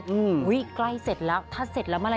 อุ้ยใกล้เสร็จแล้วถ้าเสร็จแล้วเมื่อไห